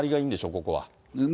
ここは。